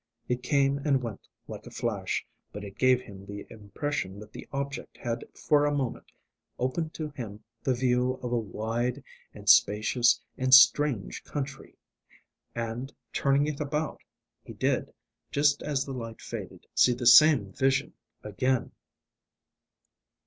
It came and went like a flash, but it gave him the impression that the object had for a moment opened to him the view of a wide and spacious and strange country; and, turning it about, he did, just as the light faded, see the same vision again.